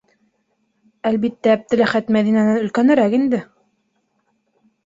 Әлбиттә, Әптеләхәт Мәҙинәнән өлкәнерәк инде.